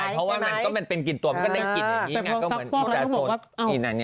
ใช่เพราะว่ามันเป็นกลิ่นตัวมันก็ได้กลิ่นอย่างนี้ไง